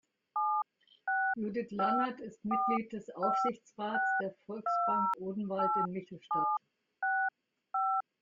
Judith Lannert ist Mitglied des Aufsichtsrates der Volksbank Odenwald in Michelstadt.